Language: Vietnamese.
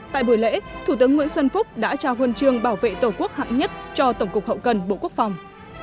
tại buổi lễ thủ tướng nguyễn xuân phúc đã trao huân trường bảo vệ tổ quốc hạng nhất cho tổng cục hậu cần bộ quốc phòng